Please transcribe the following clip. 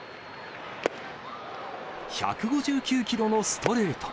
１５９キロのストレート。